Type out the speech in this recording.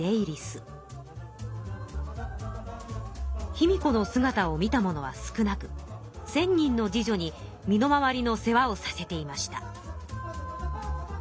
卑弥呼のすがたを見た者は少なく千人の侍女に身の回りの世話をさせていました。